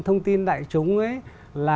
thông tin và thông tin của các nhà quản lý này